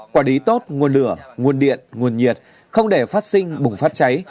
quả đí tốt nguồn lửa nguồn điện nguồn nhiệt không để phát sinh bùng phát cháy